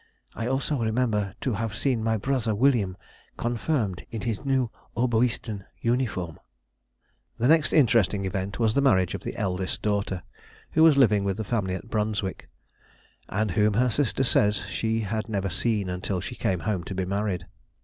I also remember to have seen my brother William confirmed in his new oböisten uniform." The next interesting event was the marriage of the eldest daughter, who was living with a family at Brunswick, and whom her sister says she had never seen until she came home to be married.